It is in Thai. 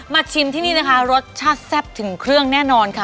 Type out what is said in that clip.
ชิมที่นี่นะคะรสชาติแซ่บถึงเครื่องแน่นอนค่ะ